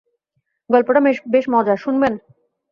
গল্পটা বেশ মজার, শুনবেন?